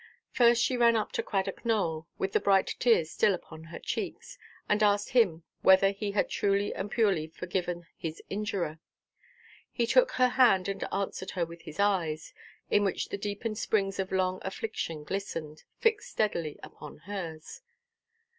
First she ran up to Cradock Nowell, with the bright tears still upon her cheeks, and asked him whether he had truly and purely forgiven his injurer. He took her hand, and answered her with his eyes, in which the deepened springs of long affliction glistened, fixed steadily upon hers.